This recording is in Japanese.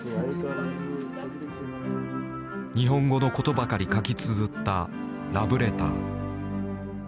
日本語のことばかり書きつづったラブレター。